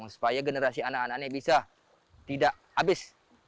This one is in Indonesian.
supaya generasi anak anak ini bisa tidak habis